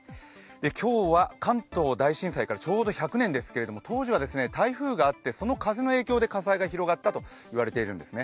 今日は関東大震災からちょうど１００年ですけれども当時は台風があってその影響で火災が広がったといわれているんですね。